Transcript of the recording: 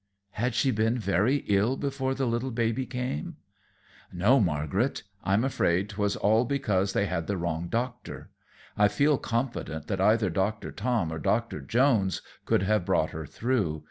"Had she been very ill before the little baby came?" "No, Margaret; I'm afraid 't was all because they had the wrong doctor. I feel confident that either Doctor Tom or Doctor Jones could have brought her through.